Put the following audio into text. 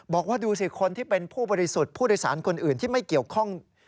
บอกว่าดูสิคนที่เป็นผู้บริสุทธิ์ผู้โดยสารคนอื่นที่ไม่เกี่ยวข้อง